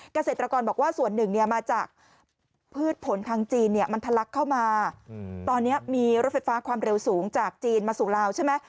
เกษตรกรบอกว่าส่วนหนึ่งเนี่ยมาจากพืชผลทางจีนเนี่ยมันทะลักเข้ามาตอนนี้มีรถไฟฟ้าความเร็วสูงจากจีนมาสู่ลาวใช่ไหม